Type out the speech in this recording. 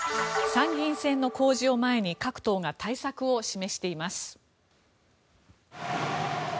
参議院選の公示を前に各党が対策を示しています。